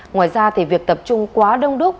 ngoài ra thì việc tập trung quá đông đúc